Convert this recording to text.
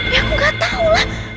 ya aku nggak tahu